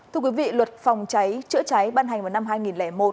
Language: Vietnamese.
thưa quý vị luật phòng cháy chữa cháy ban hành vào năm hai nghìn một